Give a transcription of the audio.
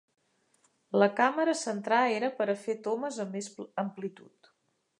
La càmera centrar era per a fer tomes amb més amplitud.